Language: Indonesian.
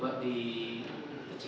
atau termasuk kopi